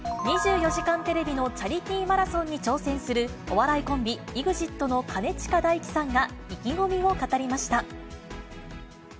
２４時間テレビのチャリティーマラソンに挑戦するお笑いコンビ、ＥＸＩＴの兼近大樹さんが、意気込みを語りました。